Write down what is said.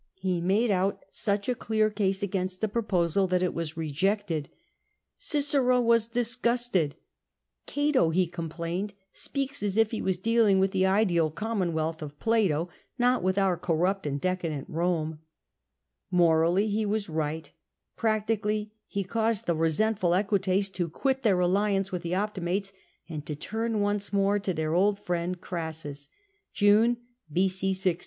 He made out such a clear case against the proposal that it was rejected, Cicero was disgusted, " Cato," he complained, " speaks as if he was dealing with the ideal commonwealth of Plato, not with our corrupt and decadent Eome/' Morally, he was right ; practically, he caused the resentful Equites to quit their alliance with the Optimates, and to turn once more to their old friend Orassus [June B.o. 6o].